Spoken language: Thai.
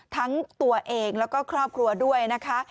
ทั้งตัวเองแล้วก็ครอบครัวด้วยนะคะ